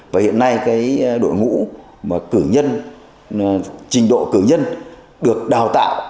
và hiện nay cái đội ngũ mà cử nhân trình độ cử nhân được đào tạo